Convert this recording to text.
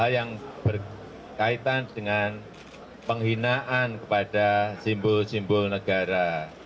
yang berkaitan dengan penghinaan kepada simbol simbol negara